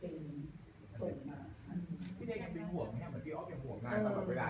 พี่เลนด์ยังเป็นห่วงไหมครับเหมือนพี่อ๊อคอย่างห่วงงานตลอดเวลา